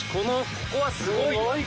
ここはすごいよ。